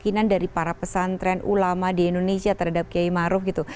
keyakinan dari para pesantren ulama di indonesia terhadap kiai maruf gitu